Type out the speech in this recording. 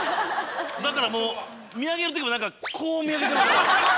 だからもう見上げる時もこう見上げてました。